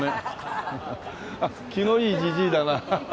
ハハ気のいいじじいだなあ。